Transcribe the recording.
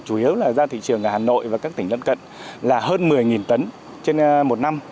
chủ yếu là ra thị trường ở hà nội và các tỉnh lân cận là hơn một mươi tấn trên một năm